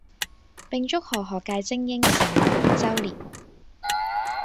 並祝賀學界菁英成立兩周年